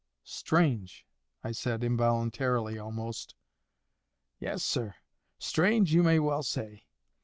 "Strange!" I said, involuntarily almost. "Yes, sir; strange you may well say.